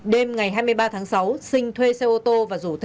đêm ngày hai mươi ba tháng sáu sinh thuê xe ô tô và rủ thêm